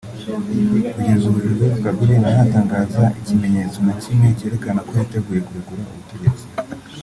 Kugeza ubu Joseph Kabila ntaragaragaza ikimenyetso na kimwe kerekana ko yiteguye kurekura ubutegetsi